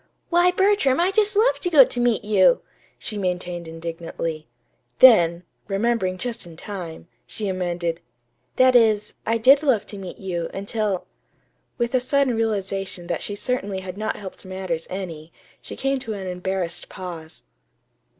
"Why, Bertram, I just love to go to meet you," she maintained indignantly. Then, remembering just in time, she amended: "That is, I did love to meet you, until " With a sudden realization that she certainly had not helped matters any, she came to an embarrassed pause.